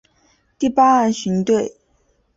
第八岸巡队